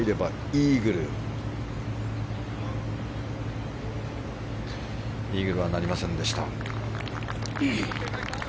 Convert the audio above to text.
イーグルはなりませんでした。